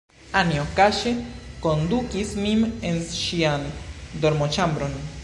Anjo kaŝe kondukis min en ŝian dormoĉambron.